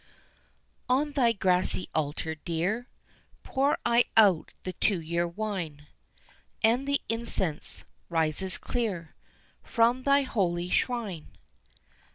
On thy grassy altar, dear, Pour I out the two year wine, And the incense rises clear From thy holy shrine.